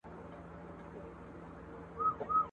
ما تر دې مخکي د علق سورت تفسیر نه وو لوستی.